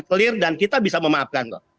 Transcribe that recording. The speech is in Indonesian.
clear dan kita bisa memaafkan